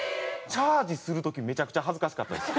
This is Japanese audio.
チャージする時めちゃくちゃ恥ずかしかったです。